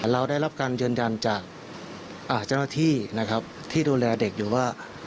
เราได้รับการยืนยันจากเจ้าหน้าที่นะครับที่ดูแลเด็กอยู่ว่า